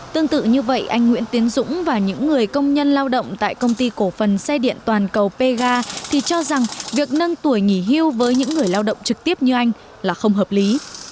tương tự như vậy anh nguyễn tiến dũng và những người công nhân lao động tại công ty cổ phần xe điện toàn cầu pga thì cho rằng việc nâng tuổi nghỉ hưu với những người lao động trực tiếp như anh là không hợp lý